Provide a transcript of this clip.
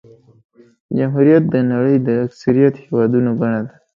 جمهوریت د نړۍ د اکثریت هېوادونو بڼه ده.